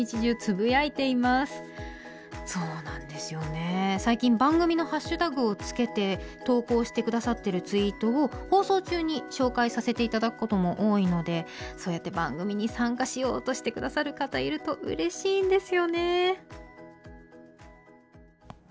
そうなんですよね最近番組のハッシュタグをつけて投稿して下さってるツイートを放送中に紹介させて頂くことも多いのでそうやって番組に参加しようとして下さる方いるとうれしいんですよね。